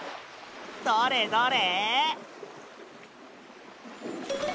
どれどれ？